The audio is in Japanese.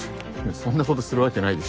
そんなことするわけないでしょう。